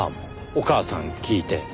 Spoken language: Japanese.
「お母さん聞いて」。